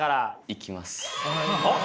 いきます。